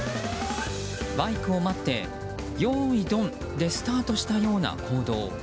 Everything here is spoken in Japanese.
バイクを待って、よーいドンでスタートしたような行動。